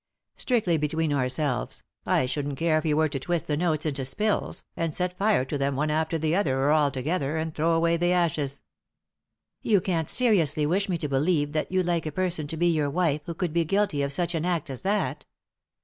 Strictly between ourselves, I shouldn't care if you were to twist the notes into spills, and set fire to them one after the other or all together, and throw away the ashes." " You can't seriously wish me to believe that you'd like a person to be your wife who could be guilty of such an act as that